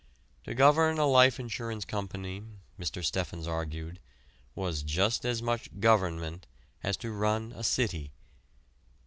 To govern a life insurance company, Mr. Steffens argued, was just as much "government" as to run a city.